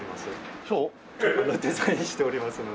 デザインしておりますので。